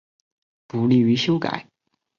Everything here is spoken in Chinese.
不利于修改